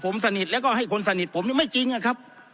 ผมสนิทแล้วก็ให้คนสนิทผมไม่จริงอะครับ